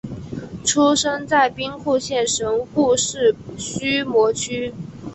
出生在兵库县神户市须磨区。